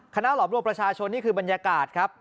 หลอมรวมประชาชนนี่คือบรรยากาศครับ